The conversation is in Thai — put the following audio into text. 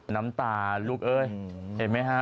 น้ำตาลูกเต็มไหมฮะ